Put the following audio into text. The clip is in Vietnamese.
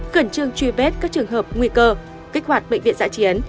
cẩn trương truy vết các trường hợp nguy cơ kích hoạt bệnh viện giã chiến